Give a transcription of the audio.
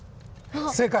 正解。